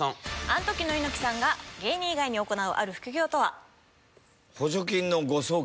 アントキの猪木さんが芸人以外に行うある副業とは？